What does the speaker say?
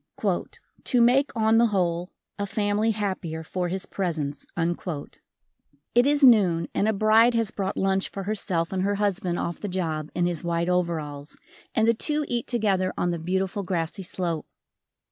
"To make on the whole, a family happier for his presence." It is noon and a bride has brought lunch for herself and her husband off the job in his white overalls, and the two eat together on the beautiful grassy slope.